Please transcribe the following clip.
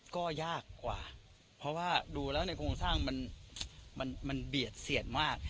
ก็ยากกว่าเพราะว่าดูแล้วในโครงสร้างมันเบียดเสียดมาก